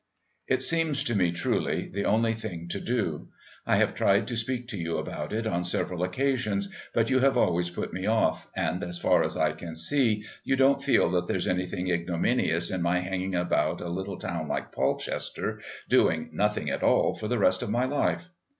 It seems to me, truly, the only thing to do. I have tried to speak to you about it on several occasions, but you have always put me off, and, as far as I can see, you don't feel that there's anything ignominious in my hanging about a little town like Polchester, doing nothing at all for the rest of my life.